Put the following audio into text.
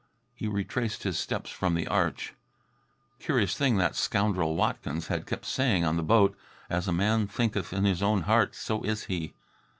He retraced his steps from the arch. Curious thing that scoundrel Watkins had kept saying on the boat. "As a man thinketh in his own heart, so is he."